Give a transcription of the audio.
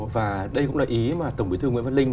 và đây cũng là ý mà tổng bí thư nguyễn văn linh